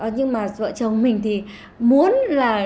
nhưng mà vợ chồng mình thì muốn là